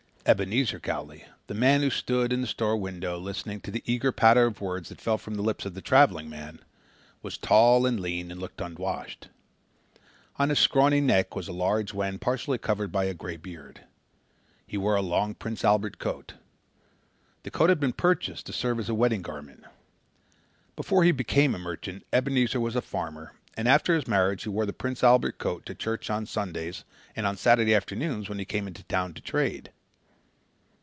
Ebenezer Cowley, the man who stood in the store listening to the eager patter of words that fell from the lips of the traveling man, was tall and lean and looked unwashed. On his scrawny neck was a large wen partially covered by a grey beard. He wore a long Prince Albert coat. The coat had been purchased to serve as a wedding garment. Before he became a merchant Ebenezer was a farmer and after his marriage he wore the Prince Albert coat to church on Sundays and on Saturday afternoons when he came into town to trade.